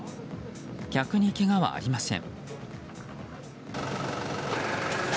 客にけがはありません。